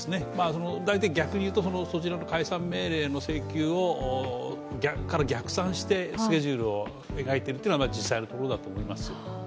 大体、逆に言うとそちらの解散命令の請求から逆算してスケジュールを描いているというのが実際のところだと思います。